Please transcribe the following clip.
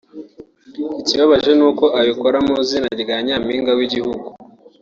ikibabaje ni uko abikora mu izina rya Nyampinga w’igihugu